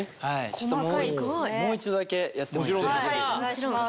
ちょっともう一度だけやってもいいですか？